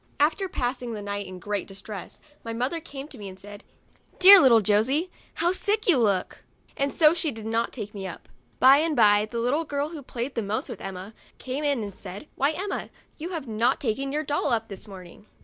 After pass ing the night in great distress, my mother came to me and said, " Dear little Josey, how sick you look !" and so she did not take me up. By and by the little girl who played the most with Emma came in and said, "Why, Emma, you have not taken your doll up this morning."